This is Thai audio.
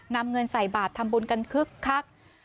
นำเงินใส่บาททำบุญกันคึกคัก